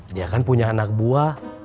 dia kan punya anak buah